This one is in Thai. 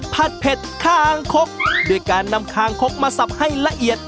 เผ็ดคางคกด้วยการนำคางคกมาสับให้ละเอียด